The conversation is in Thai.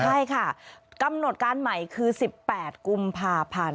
ใช่ค่ะกำหนดการใหม่คือ๑๘กุมภาพันธ์